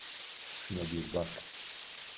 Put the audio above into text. Şuna bir bak.